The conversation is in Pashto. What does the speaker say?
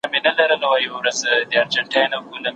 د خوړو مسمومیت په کلیوالو سیمو کې هم شته.